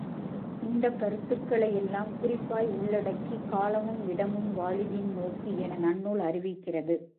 இந்தக் கருத்துகளை எல்லாம் குறிப்பாய் உள்ளடக்கி, காலமும் இடமும் வாலிதின் நோக்கி என நன்னூல் அறிவிக்கிறது.